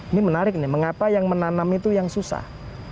ini menarik nih mengapa yang menanam itu yang susah